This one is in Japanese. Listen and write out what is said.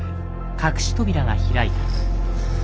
隠し扉が開いた。